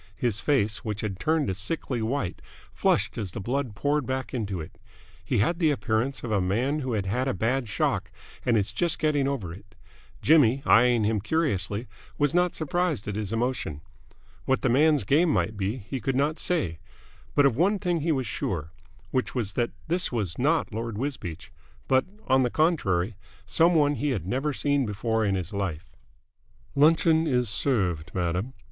His face, which had turned a sickly white, flushed as the blood poured back into it. He had the appearance of a man who had had a bad shock and is just getting over it. Jimmy, eyeing him curiously, was not surprised at his emotion. What the man's game might be, he could not say; but of one thing he was sure, which was that this was not Lord Wisbeach, but on the contrary some one he had never seen before in his life. "Luncheon is served, madam!"